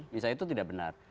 biasanya itu tidak benar